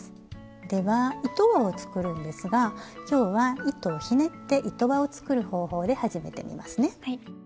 では糸輪を作るんですが今日は糸をひねって糸輪を作る方法で始めてみますね。